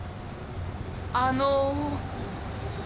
あの。